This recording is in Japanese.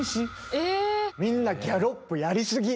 みんなギャロップやりすぎ！